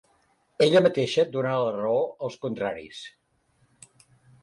Ella mateixa dóna la raó als contraris.